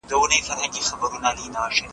مشاوران له مودې سلا ورکوي.